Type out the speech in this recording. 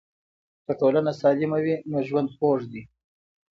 که ټولنه سالمه وي نو ژوند خوږ دی.